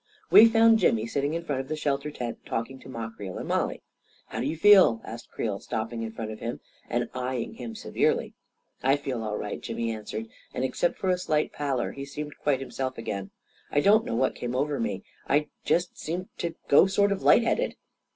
190 A KING IN BABYLON We found Jimmy sitting in front of the shelter tent, talking to Ma Creel and Mollie. " How do you feel ?" asked Creel, stopping in front of him and eyeing him severely. " I feel all right," Jimmy answered, and, except for a slight pallor, he seemed quite himself again. " I don't know what came over me — I just seemed to go sort of light headed."